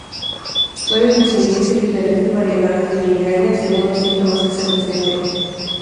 Pueden distinguirse diferentes variedades de migraña según los síntomas que se presenten.